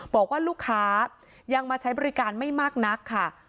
บอกว่าลูกค้ายังมาใช้บริการไม่มากนักค่ะ